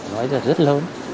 nó rất là lớn